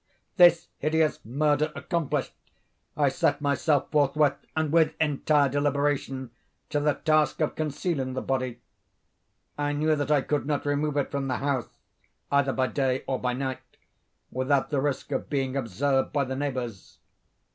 This hideous murder accomplished, I set myself forthwith, and with entire deliberation, to the task of concealing the body. I knew that I could not remove it from the house, either by day or by night, without the risk of being observed by the neighbors.